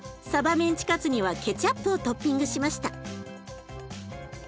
さばメンチカツにはケチャップをトッピングしました。